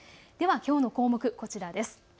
きょうの項目、こちらです。